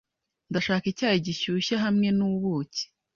Ndashaka icyayi gishyushye hamwe n'ubuki.